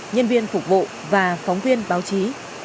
nhân viên phục vụ và phóng viên báo chí